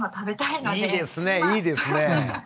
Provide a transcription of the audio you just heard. いいですねいいですね。